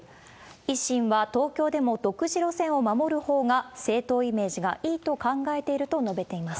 維新は東京でも独自路線を守るほうが、政党イメージがいいと考えていると述べています。